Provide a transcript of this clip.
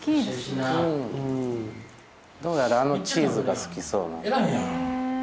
どうやらあのチーズが好きそうな。